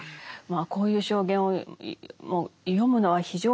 こういう証言を読むのは非常に苦しいですね。